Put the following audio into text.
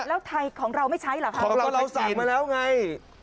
แล้วไทยของเราไม่ใช้เหรอคะของเราเราสั่งมาแล้วไง